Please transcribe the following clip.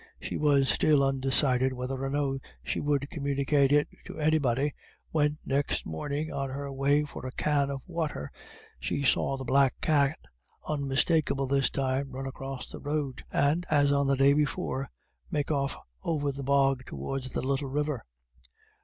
She was still undecided whether or no she would communicate it to anybody, when, next morning, on her way for a can of water, she saw the black cat, unmistakable this time, run across the road, and, as on the day before, make off over the bog towards the little river.